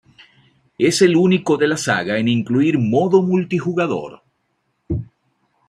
Es el único de la saga en incluir modo multijugador.